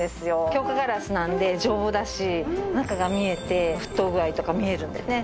強化ガラスなんで丈夫だし中が見えて沸騰具合とか見えるんでね